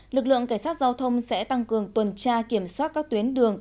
lực lượng cảnh sát giao thông sẽ tăng cường tuần tra kiểm soát các tuyến đường